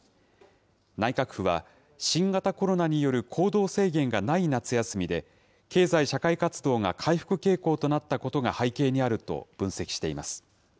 内閣府は、新型コロナによる行動制限がない夏休みで、経済社会活動が回復傾向となったことが背景にあると分析しています。